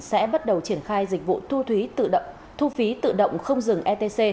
sẽ bắt đầu triển khai dịch vụ thu phí tự động không dừng etc